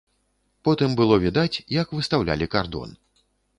Потым было відаць, як выстаўлялі кардон.